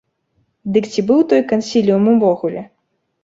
Дык ці быў той кансіліум увогуле?